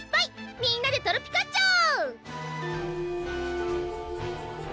みんなでトロピカっちゃおう！